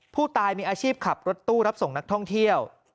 ผู้ตายมีอาชีพขับรถตู้รับส่งนักท่องเที่ยว